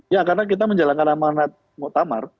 ya karena kita menjalankan amanat muktamar